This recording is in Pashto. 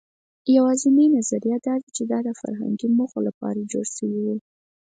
یواځینۍ نظریه دا ده، چې دا د فرهنګي موخو لپاره جوړ شوي وو.